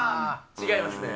違いますね。